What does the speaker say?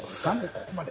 ここまで。